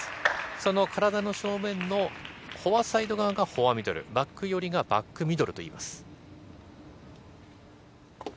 その体の正面のフォアサイド側がフォアミドル、バック寄りがバックミドルといいます。